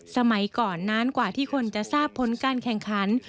สมัยก่อนนานกว่าที่คนจะทราบผลการแข่งขัน